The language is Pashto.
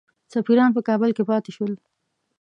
سفیران په کابل کې پاته شول.